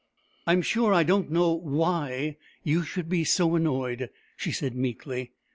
"I'm sure I don't know why you should be so annoyed," she said meekly.